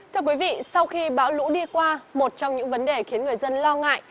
thưa quý vị sau khi bão lũ đi qua một trong những vấn đề khiến người dân lo ngại